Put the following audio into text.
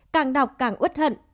càng đọc càng ướt hận